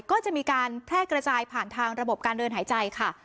ก็จะมีการแพร่กระจายผ่านทางระบบการเดินหายใจค่ะ